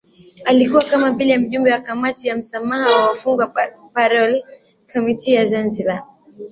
Alikuwa kama vile Mjumbe wa Kamati ya Msamaha wa Wafungwa Parole Committee ya Zanzibar